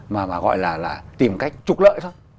mà gọi là tìm cách trục lợi thôi